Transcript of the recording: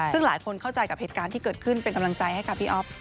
ซึ่งหลายคนเข้าใจกับเหตุการณ์ที่เกิดขึ้นเป็นกำลังใจให้กับพี่อ๊อฟ